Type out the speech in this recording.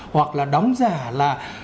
hoặc là đóng giả là